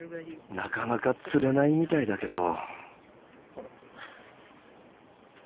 なかなか釣れないみたいだけど。